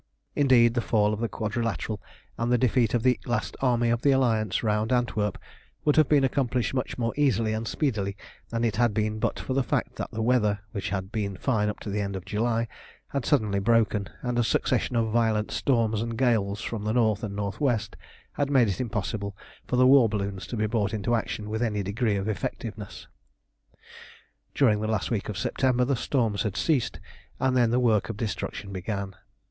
Indeed, the fall of the Quadrilateral and the defeat of the last army of the Alliance round Antwerp would have been accomplished much more easily and speedily than it had been but for the fact that the weather, which had been fine up to the end of July, had suddenly broken, and a succession of violent storms and gales from the north and north west had made it impossible for the war balloons to be brought into action with any degree of effectiveness. During the last week of September the storms had ceased, and then the work of destruction began.